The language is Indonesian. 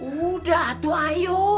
udah atuk ayo